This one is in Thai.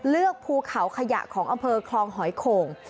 ภูเขาขยะของอำเภอคลองหอยโข่ง